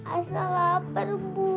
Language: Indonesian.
asal lapar bu